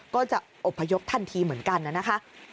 ก็จะอบพยพทันทีเหมือนกันนะคะ